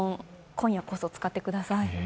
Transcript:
今夜こそ、使ってください。